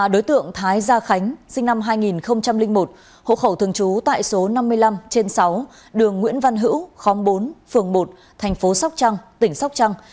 đối tượng thái gia khánh sinh năm hai nghìn một hộ khẩu thường trú tại số năm mươi năm trên sáu đường nguyễn văn hữu khóm bốn phường một thành phố sóc trăng tỉnh sóc trăng